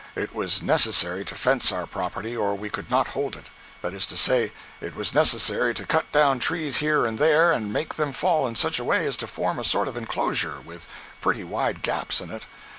It was necessary to fence our property or we could not hold it. That is to say, it was necessary to cut down trees here and there and make them fall in such a way as to form a sort of enclosure (with pretty wide gaps in it).